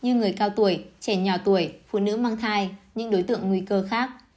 như người cao tuổi trẻ nhỏ tuổi phụ nữ mang thai những đối tượng nguy cơ khác